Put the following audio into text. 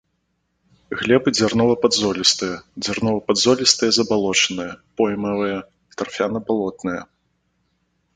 Глебы дзярнова-падзолістыя, дзярнова-падзолістыя забалочаныя, поймавыя, тарфяна-балотныя.